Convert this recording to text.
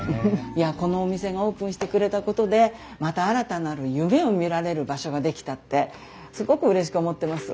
このお店がオープンしてくれたことでまた新たなる夢を見られる場所ができたってすごくうれしく思ってます。